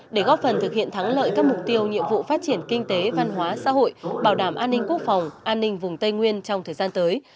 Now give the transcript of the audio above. để góp phần thực hiện thắng lợi các mục tiêu nhiệm vụ phát triển kinh tế văn hóa xã hội bảo đảm an ninh quốc phòng an ninh vùng tây nguyên trong thời gian tới